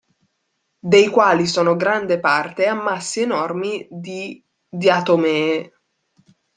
Dei quali sono grande parte ammassi enormi di diatomee.